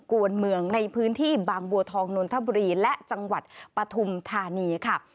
วนเมืองในพื้นที่บางบัวทองนนทบุรีและจังหวัดปฐุมธานีค่ะ